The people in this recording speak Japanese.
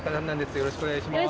よろしくお願いします。